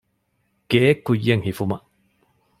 ގެއެއް ކުއްޔަށް ހިފުމަށް